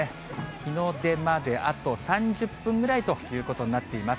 日の出まであと３０分ぐらいということになっています。